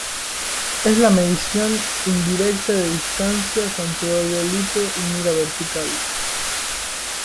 Es la medición indirecta de distancia con teodolito y mira vertical.